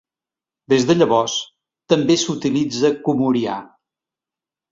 Des de llavors, també s'utilitza comorià.